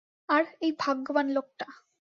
আর, এই ভাগ্যবান লোকটা।